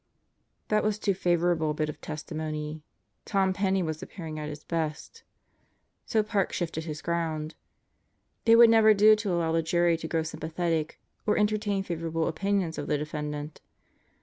That was too favorable a bit of testimony. Tom Penney was appearing at his best. So Park shifted his ground. It would never do to allow the jury to grow sympathetic or entertain favorable opinions of the defendant.